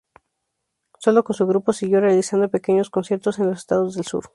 Solo con su grupo, siguió realizando pequeños conciertos en los Estados del Sur.